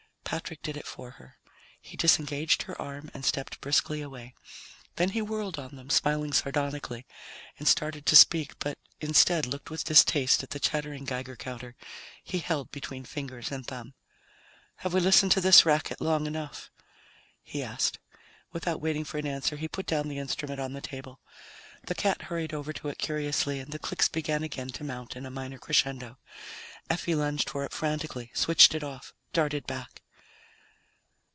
Patrick did it for her. He disengaged her arm and stepped briskly away. Then he whirled on them, smiling sardonically, and started to speak, but instead looked with distaste at the chattering Geiger counter he held between fingers and thumb. "Have we listened to this racket long enough?" he asked. Without waiting for an answer, he put down the instrument on the table. The cat hurried over to it curiously and the clicks began again to mount in a minor crescendo. Effie lunged for it frantically, switched it off, darted back.